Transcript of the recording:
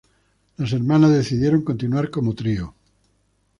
Las hermanas decidieron continuar como trío.